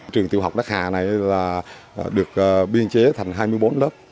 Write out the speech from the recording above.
trường tiêu học đắc hà này được biên chế thành hai mươi bốn lớp